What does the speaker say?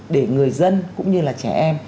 để người dân cũng như là trẻ em